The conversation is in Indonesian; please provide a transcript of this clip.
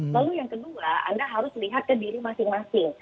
lalu yang kedua anda harus lihat ke diri masing masing